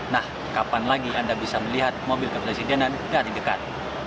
nah kapan lagi anda bisa melihat mobil kepresidenan dari dekat